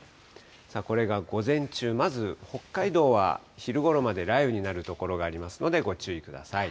これが午前中、まず北海道は、昼ごろまで雷雨になる所がありますので、ご注意ください。